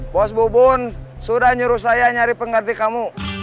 bos bubun sudah nyuruh saya nyari pengganti kamu